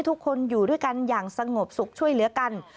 ทุกคนอยู่ด้วยกันอย่างสงบสุขช่วยเหลือกัน